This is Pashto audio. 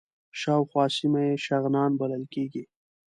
شاوخوا سیمه یې شغنان بلل کېږي.